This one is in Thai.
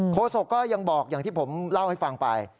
โศกก็ยังบอกอย่างที่ผมเล่าให้ฟังไป